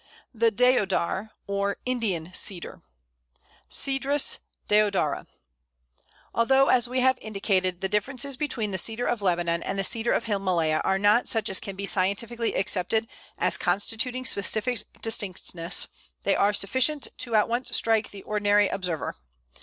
] The Deodar, or Indian Cedar (Cedrus deodara). Although, as we have indicated, the differences between the Cedar of Lebanon and the Cedar of Himalaya are not such as can be scientifically accepted as constituting specific distinctness, they are sufficient to at once strike the ordinary observer.